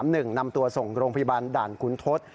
นำตัวส่งโรงพยาบาลด่านคุณทศ